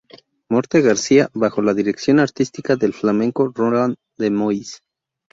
Morte García, bajo la dirección artística del flamenco Roland de Mois.